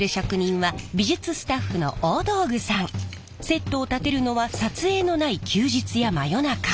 セットを建てるのは撮影のない休日や真夜中。